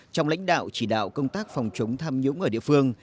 trong lãnh đạo chỉ đạo công tác phòng chống tham nhũng ở địa phương